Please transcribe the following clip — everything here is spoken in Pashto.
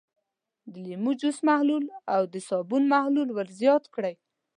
د لیمو جوس محلول او د صابون محلول ور زیات کړئ.